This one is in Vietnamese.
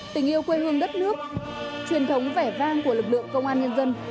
tình yêu quê hương đất nước truyền thống vẻ vang của lực lượng công an nhân dân